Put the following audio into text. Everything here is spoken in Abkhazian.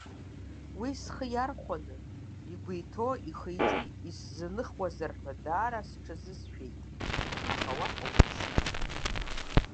Уи схы иархәаны, игәы иҭоу ихы-иҿы исзаныхуазар ҳәа даара сҽысшәеит, аха уаҳа умԥсит.